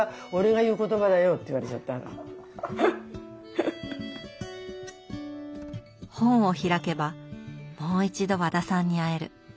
っつったら本を開けばもう一度和田さんに会える。